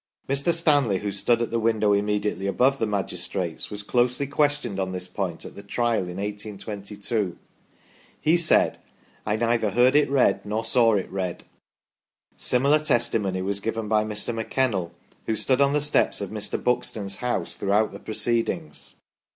Mr. Stanley, who stood at the win dow immediately above the magistrates, was closely questioned on this point at the Trial in 1822. He said : "I neither heard it read nor saw it read ". Similar testimony was given by Mr. McKennell, who stood on the steps of Mr. Buxton's house throughout the proceedings.